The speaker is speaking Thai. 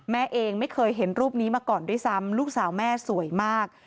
แม่เองไม่เคยเห็นรูปนี้มาก่อนด้วยซ้ำลูกสาวแม่สวยมาก